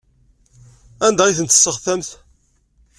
Anda ay tent-tesseɣtam?